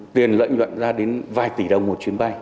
tiền lợi nhuận ra đến vài tỷ đồng một chuyến bay